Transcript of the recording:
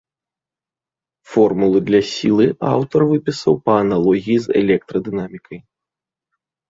Формулу для сілы аўтар выпісаў па аналогіі з электрадынамікай.